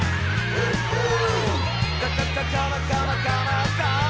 「フッフー！」